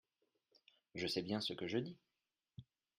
je sais bien ce que je dis.